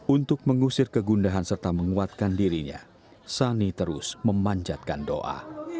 untuk mengusir kegundahan serta menguatkan dirinya sani terus memanjatkan doa